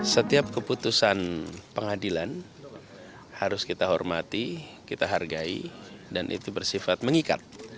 setiap keputusan pengadilan harus kita hormati kita hargai dan itu bersifat mengikat